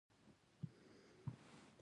وګړي د افغانستان د موسم د بدلون سبب کېږي.